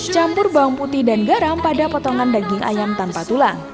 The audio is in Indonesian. campur bawang putih dan garam pada potongan daging ayam tanpa tulang